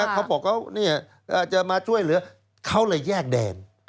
เขาบอกเขาจะมาช่วยเหลือเขาเลยแยกแดน